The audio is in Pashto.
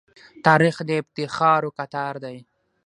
تاریخ د افتخارو کتار دی.